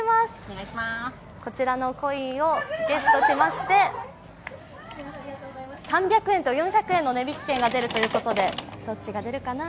こちらのコインをゲットしまして３００円と４００円の値引き券が出るということでどっちが出るかな。